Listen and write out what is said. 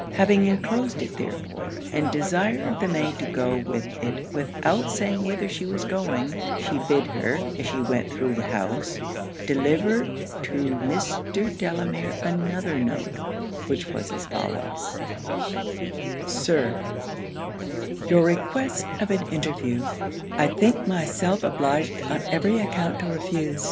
Having enclosed it therefore, and desired the maid to go with it without saying whither she was going, she bid her, as she went through the house, deliver to Mr. Delamere another note, which was as follows: 'Sir, 'Your request of an interview, I think myself obliged on every account to refuse.